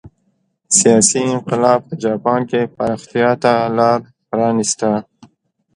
سیاسي انقلاب په جاپان کې پراختیا ته لار پرانېسته.